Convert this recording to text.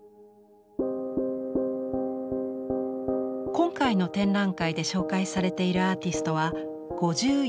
今回の展覧会で紹介されているアーティストは５４組。